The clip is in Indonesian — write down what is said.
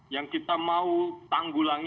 yang kita mau tanggulangi